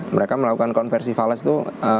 mereka melakukan konversi falles itu